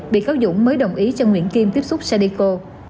bị cáo dũng mới đồng ý cho nguyễn kim tiếp xúc cdico